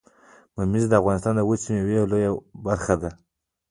ممیز د افغانستان د وچې میوې لویه برخه ده